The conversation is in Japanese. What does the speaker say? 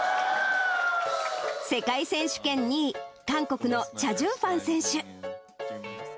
世界選手権２位、韓国のチャ・ジュンファン選手。